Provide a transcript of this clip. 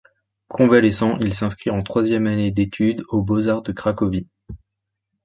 Convalescent, il s’inscrit en troisième année d’étude aux Beaux-Arts de Cracovie.